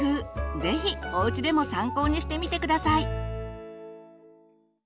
ぜひおうちでも参考にしてみて下さい。